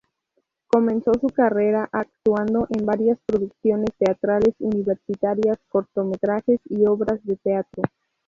Comenzó su carrera actuando en varias producciones teatrales universitarias, cortometrajes y obras de teatro.